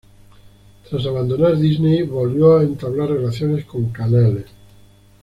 Tras abandonar Disney, volvió a entablar relaciones con Canales.